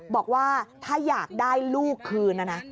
บอกว่าถ้าอยากได้ลูกคืนนะนะ